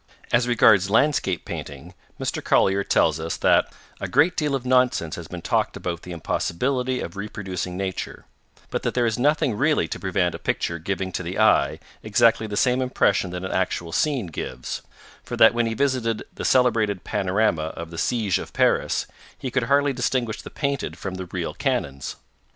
As regards landscape painting, Mr. Collier tells us that 'a great deal of nonsense has been talked about the impossibility of reproducing nature,' but that there is nothing really to prevent a picture giving to the eye exactly the same impression that an actual scene gives, for that when he visited 'the celebrated panorama of the Siege of Paris' he could hardly distinguish the painted from the real cannons!